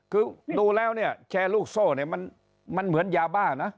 คือดูแล้วแชร์ลูกโซ่มันเหมือนยาบ้านะ